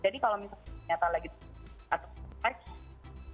jadi kalau misalnya ternyata lagi atau text